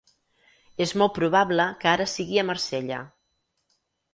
És molt probable que ara sigui a Marsella.